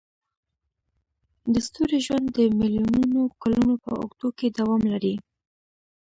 د ستوري ژوند د میلیونونو کلونو په اوږدو کې دوام لري.